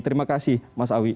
terima kasih mas awi